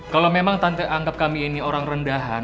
kalau memang anggap kami ini orang rendahan